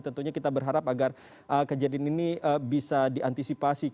tentunya kita berharap agar kejadian ini bisa diantisipasi